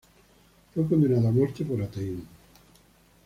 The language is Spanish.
Fue condenado a muerte por ateísmo.